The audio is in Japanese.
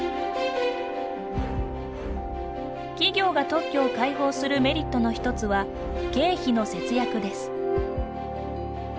企業が特許を開放するメリットの１つは経費の節約です。